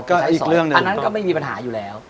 อันนั้นก็ไม่มีปัญหาอยู่แล้ว